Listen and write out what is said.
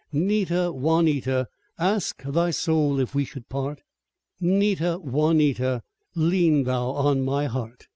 'Nita, Juanita! Ask thy soul if we should part, 'Nita, Juanita! Lean thou on my heart.